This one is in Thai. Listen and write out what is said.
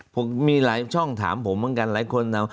ผมมีหลายช่องถามผมเหมือนกันหลายคนนะ